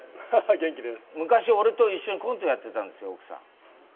昔俺と一緒にコントやってたんだよ。